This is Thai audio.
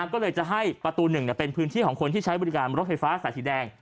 ก็เลยจะให้ประตู๑เป็นพื้นที่ของคนที่ใช้บริการรถไฟฟ้าสายสีแดง